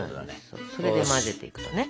それで混ぜていくとね。